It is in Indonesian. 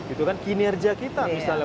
itu kan kinerja kita misalnya